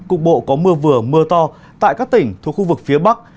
cục bộ có mưa vừa mưa to tại các tỉnh thuộc khu vực phía bắc